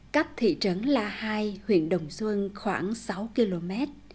cách thị trấn la hai huyện đồng xuân khoảng sáu km